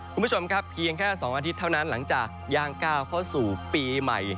คุณผู้ชมครับเพียงแค่๒อาทิตย์เท่านั้นหลังจากย่างก้าวเข้าสู่ปีใหม่